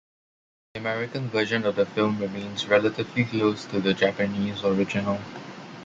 The American version of the film remains relatively close to the Japanese original.